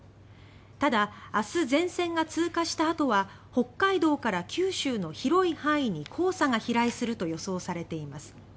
ただ、明日前線が通過したあとは北海道から九州の広い範囲に黄砂が飛来すると予想されています。